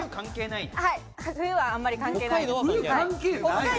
冬はあんまり関係ない。